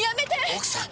奥さん！